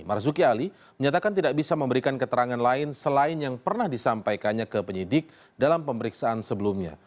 marzuki ali menyatakan tidak bisa memberikan keterangan lain selain yang pernah disampaikannya ke penyidik dalam pemeriksaan sebelumnya